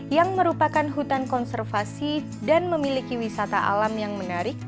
yang merupakan hutan konservasi dan memiliki wisata alam yang menarik